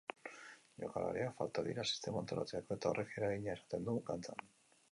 Jokalariak falta dira sistemak antolatzeko, eta horrek eragina izaten du kantxan.